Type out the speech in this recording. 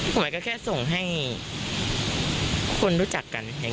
หมายก็แค่ส่งให้คนรู้จักกัน